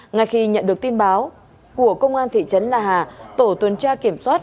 ngay khi nhận được tin báo của công an thị trấn la hà tổ tuần tra kiểm soát